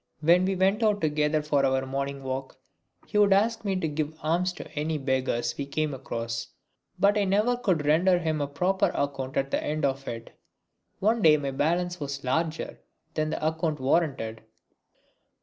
When we went out together for our morning walk he would ask me to give alms to any beggars we came across. But I never could render him a proper account at the end of it. One day my balance was larger than the account warranted.